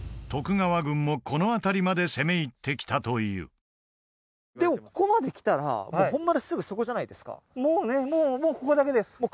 徳川軍もこの辺りまで攻め入ってきたというでもここまで来たら本丸すぐそこじゃないですかもうねもうここだけです